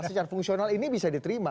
secara fungsional ini bisa diterima